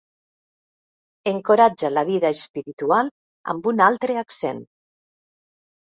Encoratja la vida espiritual amb un altre accent.